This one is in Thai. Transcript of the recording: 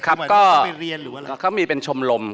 ครับก็เขามีเป็นชมรม